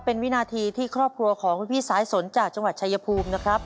เป็นวินาทีที่ครอบครัวของคุณพี่สายสนจากจังหวัดชายภูมินะครับ